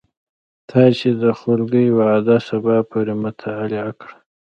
تا چې د خولګۍ وعده سبا پورې معطله کړه